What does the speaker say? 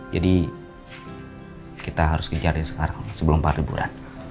jadi kita harus kejarin sekarang sebelum pak al liburan